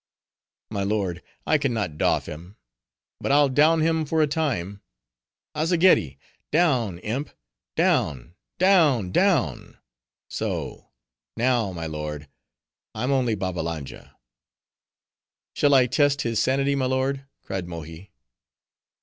"My lord, I can not doff him; but I'll down him for a time: Azzageddi! down, imp; down, down, down! so: now, my lord, I'm only Babbalanja." "Shall I test his sanity, my lord?" cried Mohi.